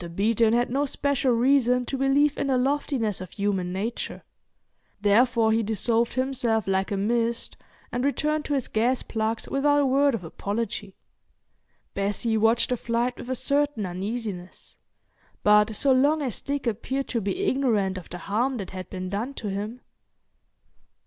Beeton had no special reason to believe in the loftiness of human nature. Therefore he dissolved himself like a mist and returned to his gas plugs without a word of apology. Bessie watched the flight with a certain uneasiness; but so long as Dick appeared to be ignorant of the harm that had been done to him...